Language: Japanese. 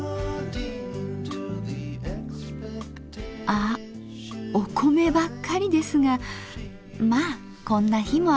あっお米ばっかりですがまあこんな日もあるよね。